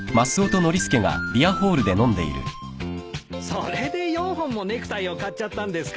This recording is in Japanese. それで４本もネクタイを買っちゃったんですか？